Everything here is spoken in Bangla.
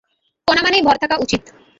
কণা মানেই ভর থাকা উচিৎ।